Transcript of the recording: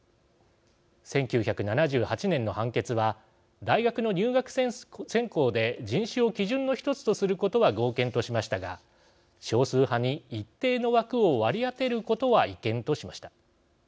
１９７８年の判決は大学の入学選考で人種を基準の１つとすることは合憲としましたが少数派に一定の枠を割り当てることは違憲としました。